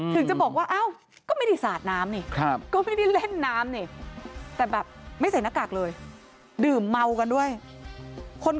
ถือก้าวถือขวด